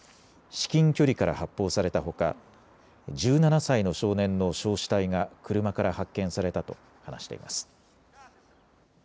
至近距離から発砲されたほか１７歳の少年の焼死体が車から発見されたと話しています。